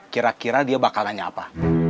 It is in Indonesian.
kira kira dia bakal nanya apa